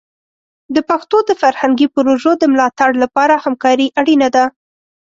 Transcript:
د پښتو د فرهنګي پروژو د ملاتړ لپاره همکاري اړینه ده.